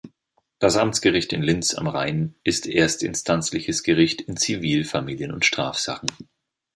Das Amtsgericht in Linz am Rhein ist erstinstanzliches Gericht in Zivil-, Familien- und Strafsachen.